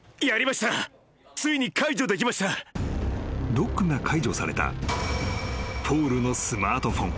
［ロックが解除されたポールのスマートフォン］